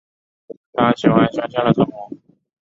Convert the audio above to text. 她喜欢乡下的生活